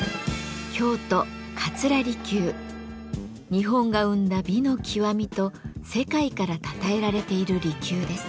「日本が生んだ美の極み」と世界からたたえられている離宮です。